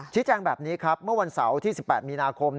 แจ้งแบบนี้ครับเมื่อวันเสาร์ที่๑๘มีนาคม